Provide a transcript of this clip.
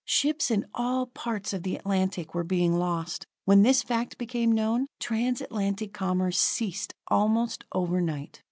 Ships in all parts of the Atlantic were being lost. When this fact became known, trans Atlantic commerce ceased almost over night.